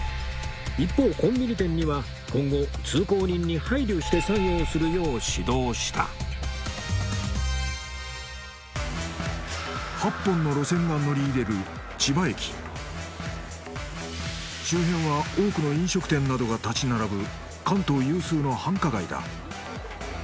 一方コンビニ店には今後通行人に配慮して作業するよう指導した８本の路線が乗り入れる千葉駅周辺は多くの飲食店などが立ち並ぶ